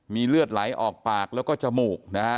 มีเลือดไหลออกปากแล้วก็จมูกนะฮะ